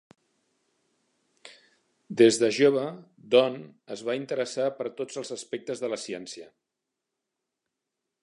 Des de jove Don es va interessar per tots els aspectes de la ciència.